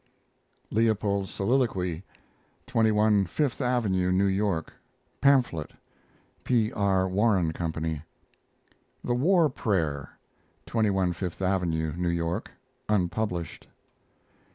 LEOPOLD'S SOLILOQUY (21 Fifth Avenue, New York) pamphlet, P. R. Warren Company. THE WAR PRAYER (21 Fifth Avenue, New York) (unpublished).